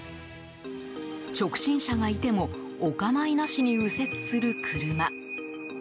直進車がいてもお構いなしに右折する車。